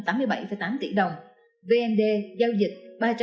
vnd giao dịch ba trăm tám mươi hai tỷ đồng vce giao dịch hai trăm một mươi ba sáu tỷ